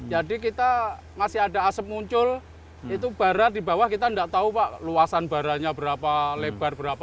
jadi kita masih ada asap muncul itu bara di bawah kita tidak tahu pak luasan baranya berapa lebar berapa